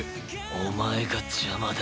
お前が邪魔だ